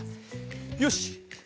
よし！